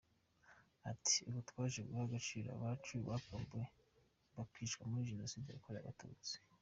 Ati « ubu twaje guha agaciro abacu bakambuwe bakicwa muri Jenoside yakorewe abatutsi.